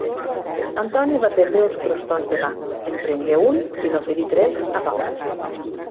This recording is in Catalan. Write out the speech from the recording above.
Antoni va prendre uns crostons de pa, en prengué un i n'oferí tres a Pau.